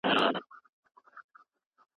دا څېړنه زما لپاره یو نوی فرصت و.